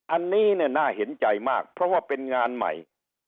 อันนี้เนี่ยน่าเห็นใจมากเพราะว่าเป็นงานใหม่